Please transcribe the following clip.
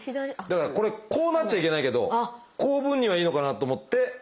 だからこれこうなっちゃいけないけどこういう分にはいいのかなと思って。